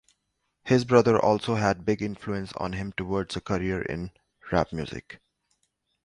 His brother also had big influence on him towards a career in rap music.